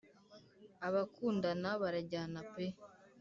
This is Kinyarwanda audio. abakundana bara jyana pe